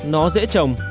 nó dễ trồng